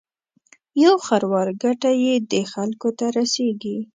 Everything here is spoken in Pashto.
یو خروار ګټه یې دې خلکو ته رسېږي.